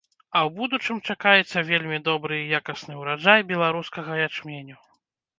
А ў будучым чакаецца вельмі добры і якасны ўраджай беларускага ячменю.